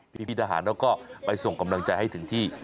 พี่ทหารเขาก็ไปส่งกำลังใจให้ถึงที่